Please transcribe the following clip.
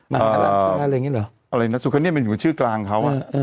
มหาโรคระเนียนศุษภ์เป็นชื่อกลางเขา